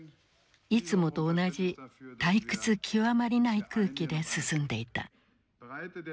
いつもと同じ退屈極まりない空気で進んでいた。